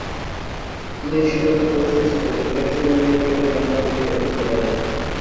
আমি এই সিদ্ধান্তে পৌঁছিয়াছি যে, এক জীবনেই কেহ নেতা হইয়া উঠিতে পারে না।